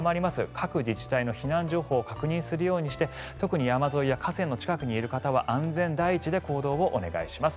各自治体の避難情報を確認するようにして特に山沿いや河川の近くにいる方は安全第一で行動をお願いします。